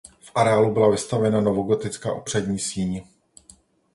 V areálu byla vystavěna novogotická obřadní síň.